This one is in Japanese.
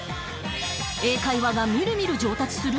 英会話がみるみる上達する！？